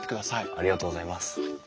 ありがとうございます。